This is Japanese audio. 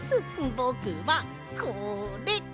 ぼくはこれ！